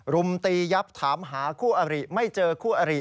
รุมตียับถามหาคู่อริไม่เจอคู่อริ